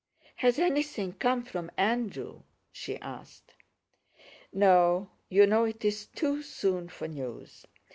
"Has anything come from Andrew?" she asked. "No, you know it's too soon for news.